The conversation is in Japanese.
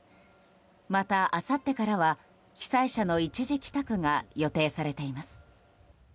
また、あさってからは被災者の一時帰宅が予定されています。